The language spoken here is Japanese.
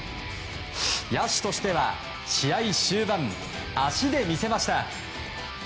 野手としては試合終盤足で見せました。